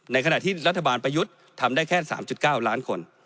ในขณะที่รัฐบาลประยุทธ์ทำได้แค่๓๙ล้านคน